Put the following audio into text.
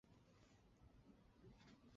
利口乐在瑞士有六个展示花园。